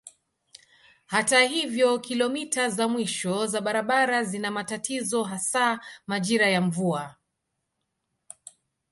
Hata hivyo kilomita za mwisho za barabara zina matatizo hasa majira ya mvua.